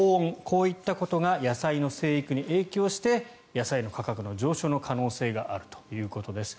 こういったことが野菜の生育に影響して野菜の価格の上昇の可能性があるということです。